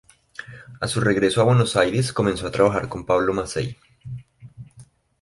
A su regreso a Buenos Aires comenzó a trabajar con Pablo Massey.